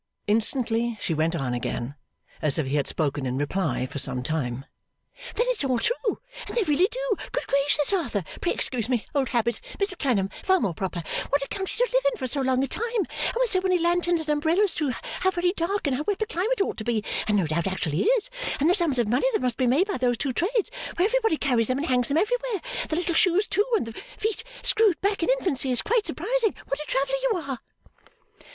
Instantly she went on again, as if he had spoken in reply for some time. 'Then it's all true and they really do! good gracious Arthur! pray excuse me old habit Mr Clennam far more proper what a country to live in for so long a time, and with so many lanterns and umbrellas too how very dark and wet the climate ought to be and no doubt actually is, and the sums of money that must be made by those two trades where everybody carries them and hangs them everywhere, the little shoes too and the feet screwed back in infancy is quite surprising, what a traveller you are!